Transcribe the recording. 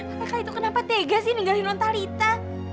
apakah itu kenapa tega sih ninggalin nontalita